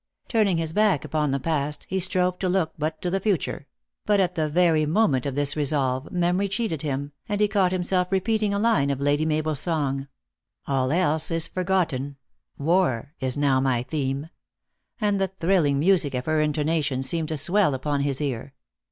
Turning his back upon the past, he strove to look but to the future ; but at the very moment of this resolve, memory cheated him, and he caught himself repeat ing a line of Lady Mabel s song :" All else forgotten, "War is now my theme." and the thrilling music of her intonation seemed to swell upon his ear.